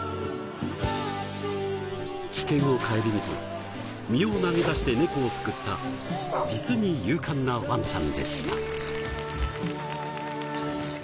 危険を顧みず身を投げ出してネコを救った実に勇敢なワンちゃんでした。